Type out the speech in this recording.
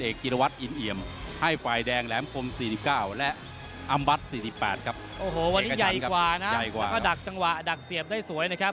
โอ้โหวันนี้ใหญ่กว่านะแล้วก็ดักจังหวะดักเสียบได้สวยนะครับ